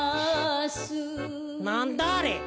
なんだあれ？